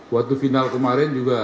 waktu final kemarin juga